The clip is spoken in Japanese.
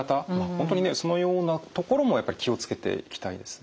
本当にねそのようなところもやっぱり気を付けていきたいですね。